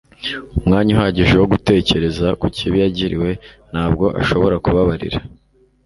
umwanya uhagije wo gutekereza ku kibi yagiriwe, ntabwo ashobora kubabarira